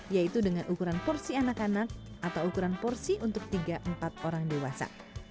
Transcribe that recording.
yaitu dengan ukuran porsi anak anak atau ukuran porsi untuk tiga empat orang dewasa